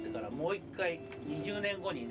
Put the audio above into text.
２０年後にね